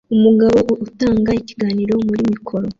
Umugabo utanga ikiganiro muri mikoro